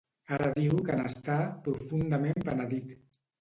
Ara diu que n’està ‘profundament penedit’.